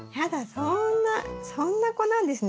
そんなそんな子なんですね